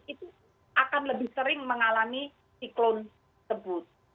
itu akan lebih sering mengalami siklon tersebut